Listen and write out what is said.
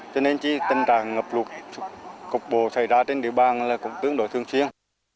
cho nên chỉ tình trạng ngập lụt cục bộ xảy ra trên địa bàn là cũng tương đối thương chiến